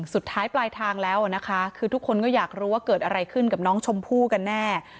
สุดท้ายปลายทางแล้วนะคะคือทุกคนก็อยากรู้ว่าเกิดอะไรขึ้นกับน้องชมพู่กันแน่